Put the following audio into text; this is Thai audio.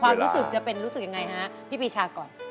ความรู้สึกจะเป็นรู้สึกยังไงฮะพี่ปีชาก่อน